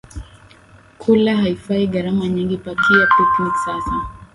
Kula haifai gharama nyingi Pakia picnic sasa